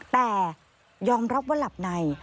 แต่ยอมรับว่าหลับใน